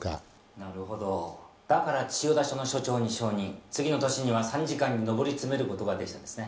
なるほどだから千代田署の署長に昇任次の年には参事官に上り詰める事ができたんですね。